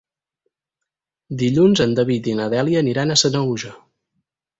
Dilluns en David i na Dèlia aniran a Sanaüja.